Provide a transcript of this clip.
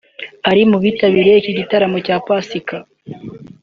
ari mu bitabiriye iki gitaramo cya Pasika